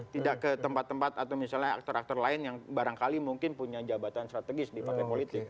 tidak ke tempat tempat atau misalnya aktor aktor lain yang barangkali mungkin punya jabatan strategis di partai politik